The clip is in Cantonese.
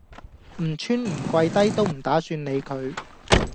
唔穿唔跪低都唔打算理佢